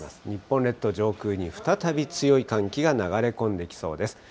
日本列島上空に再び強い寒気が流れ込んできそうです。